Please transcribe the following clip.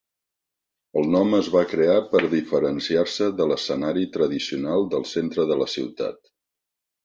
El nom es va crear per diferenciar-se de l'escenari tradicional del centre de la ciutat.